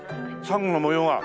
サンゴの模様が。